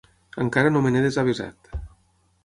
Encara no me n'he desavesat.